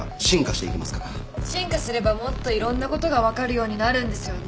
進化すればもっといろんなことが分かるようになるんですよね？